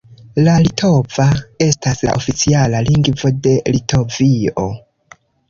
La litova estas la oficiala lingvo de Litovio.